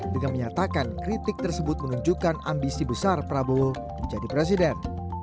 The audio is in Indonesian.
dengan menyatakan kritik tersebut menunjukkan ambisi besar prabowo menjadi presiden